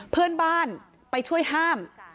เพื่อนบ้านไปช่วยห้าม